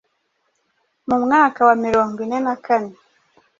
Mu mwaka wa mirongo ine na kane